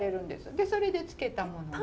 でそれで漬けたもので。